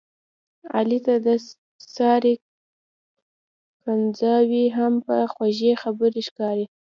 علي ته د سارې کنځاوې هم په خوږې خبرې ښکاري.